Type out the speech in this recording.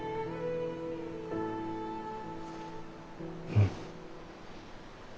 うん。